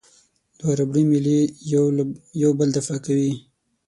دوه ربړي میلې یو بل دفع کوي.